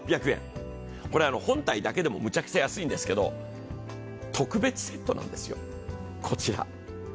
これは本体だけでもむちゃくちゃ安いんですけど特別セットなんですよ、こちら。